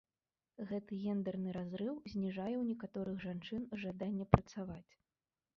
Гэты гендэрны разрыў зніжае ў некаторых жанчын жаданне працаваць.